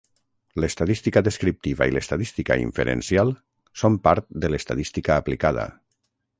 L'estadística descriptiva i l'estadística inferencial són part de l'estadística aplicada.